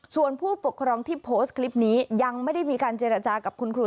ส่วนผู้ปกครองที่โพสต์คลิปนี้ยังไม่ได้มีการเจรจากับคุณครู